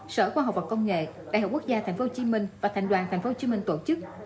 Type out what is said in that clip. sở khoa học và công nghệ đại học quốc gia tp hcm và thành đoàn tp hcm tổ chức